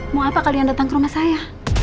mau apa kalian datang ke rumah saya